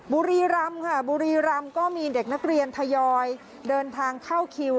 บุรีรำค่ะบุรีรำก็มีเด็กนักเรียนทยอยเดินทางเข้าคิว